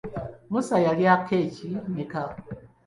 Musa yalya keeki mmeka?